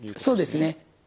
そうですね。